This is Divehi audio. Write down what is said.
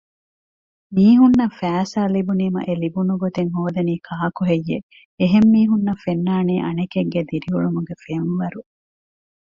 މީހުންނަށް ފައިސާ ލިބުނީމާ އެލިބުނު ގޮތެއް ހޯދަނީ ކާކުހެއްޔެވެ؟ އެހެން މީހުންނަށް ފެންނާނީ އަނެކެއްގެ ދިރިއުޅުމުގެ ފެންވަރު